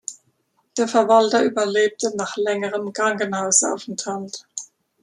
Der Verwalter überlebte nach längerem Krankenhausaufenthalt.